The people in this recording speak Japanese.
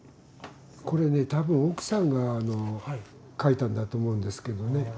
これね多分奥さんが書いたんだと思うんですけどね。